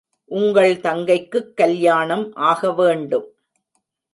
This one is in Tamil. உங்கள் தங்கைக்குக் கல்யாணம் ஆக வேண்டும்!